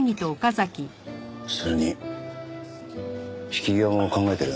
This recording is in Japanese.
それに引き際も考えてる。